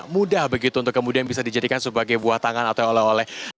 mudah begitu untuk kemudian bisa dijadikan sebagai buah tangan atau oleh oleh